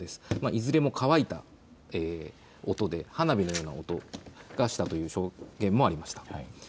いずれも乾いた音で花火のような音がしたという証言もありました。